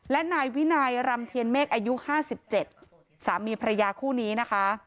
และนายวินัยรำเทียนเมฆอายุ๕๗สามีภรรยาคู่นี้นะคะ